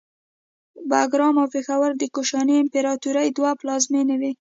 باګرام او پیښور د کوشاني امپراتورۍ دوه پلازمینې وې